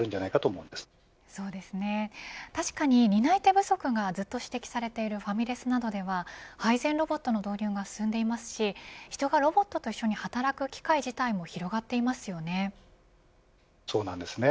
そうですね、確かに担い手不足がずっと指摘されているファミレスなどでは配膳ロボットの導入が進んでいますし人がロボットと一緒に働く機会自体も広がっていますよね。